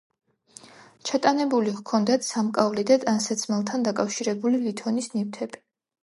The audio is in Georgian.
ჩატანებული ჰქონდათ სამკაული და ტანსაცმელთან დაკავშირებული ლითონის ნივთები.